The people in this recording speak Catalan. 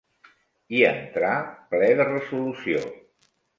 Hi entrà ple de resolució.